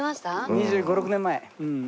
２５２６年前。